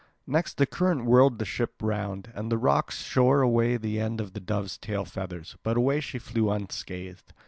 Next the current whirled the ship round. And the rocks shore away the end of the dove's tail feathers; but away she flew unscathed.